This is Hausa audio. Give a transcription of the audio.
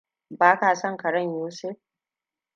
Ba ka son karen Yusuf.